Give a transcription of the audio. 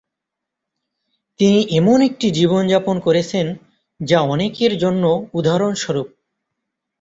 তিনি এমন একটি জীবনযাপন করেছেন যা অনেকের জন্য উদাহরণ স্বরূপ।